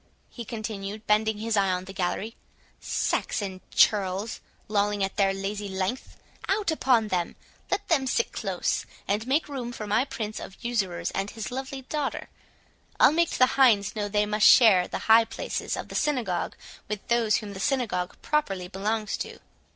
he continued, bending his eye on the gallery. "Saxon churls, lolling at their lazy length!—out upon them!—let them sit close, and make room for my prince of usurers and his lovely daughter. I'll make the hinds know they must share the high places of the synagogue with those whom the synagogue properly belongs to."